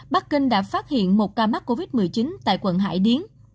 bắc kinh đã phát hiện một ca mắc covid một mươi chín tại quận hải điến